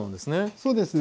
そうですね。